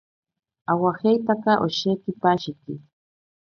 Awajeitaka osheki pashiki.